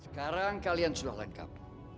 sekarang kalian sudah lengkap